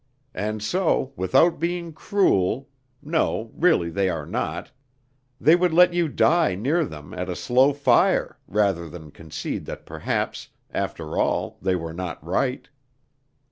And so, without being cruel (no, really, they are not) they would let you die near them at a slow fire rather than concede that perhaps after all they were not right.